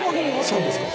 そうです。